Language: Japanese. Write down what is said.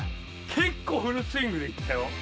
結構フルスイングでいったよ？